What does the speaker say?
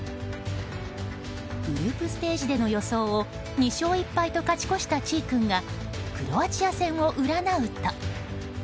グループステージでの予想を２勝１敗と勝ち越したちぃ君がクロアチア戦を占うと。